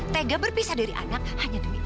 tega berpisah dari anak hanya demi